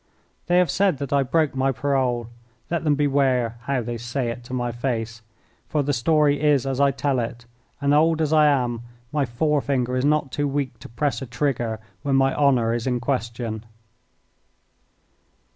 They have said that I broke my parole. Let them beware how they say it to my face, for the story is as I tell it, and old as I am my forefinger is not too weak to press a trigger when my honour is in question.